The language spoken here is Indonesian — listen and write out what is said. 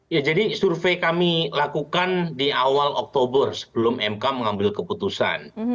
ya jadi survei kami lakukan di awal oktober sebelum mk mengambil keputusan